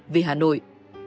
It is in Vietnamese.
về hà nội